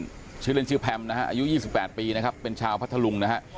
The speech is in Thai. ชื่อเล่นชื่อแพมนะฮะอายุ๒๘ปีนะครับเป็นชาวพัทธลุงนะฮะ